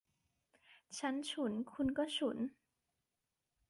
ฉันฉุน คุณก็ฉุน